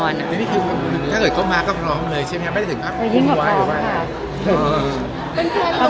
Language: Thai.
นี่คือถ้าเกิดเข้ามาก็กร้องเลยใช่ไหมไม่ได้ถึงอัพคลุมไว้หรือเปล่า